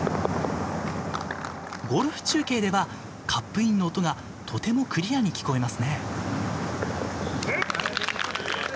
ゴルフ中継ではカップインの音がとてもクリアに聞こえますね。